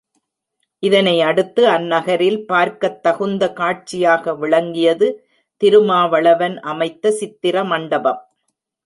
இதனை அடுத்து அந்நகரில் பார்க்கத் தகுந்த காட்சியாக விளங்கியது திருமாவளவன் அமைத்த சித்திர மண்டபம்.